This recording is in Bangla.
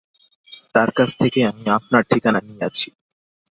তার কাছ থেকেই আমি আপনার ঠিকানা নিয়েছি।